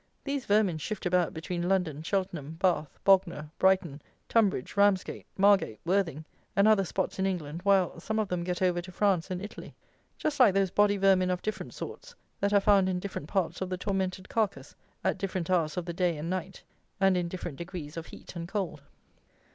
These vermin shift about between London, Cheltenham, Bath, Bognor, Brighton, Tunbridge, Ramsgate, Margate, Worthing, and other spots in England, while some of them get over to France and Italy: just like those body vermin of different sorts that are found in different parts of the tormented carcass at different hours of the day and night, and in different degrees of heat and cold.